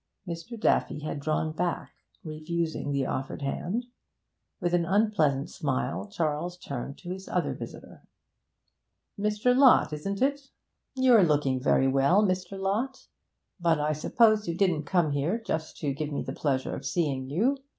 Mr. Daffy had drawn back, refusing the offered hand. With an unpleasant smile Charles turned to his other visitor. 'Mr. Lott, isn't it! You're looking well, Mr. Lott; but I suppose you didn't come here just to give me the pleasure of seeing you.